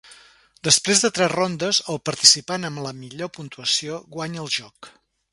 Després de tres rondes, el participant amb la millor puntuació guanya el joc.